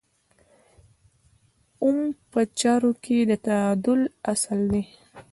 اووم په چارو کې د تعادل اصل دی.